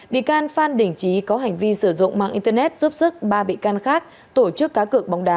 bị can phan đình trí có hành vi sử dụng mạng internet giúp sức ba bị can khác tổ chức cá cược bóng đá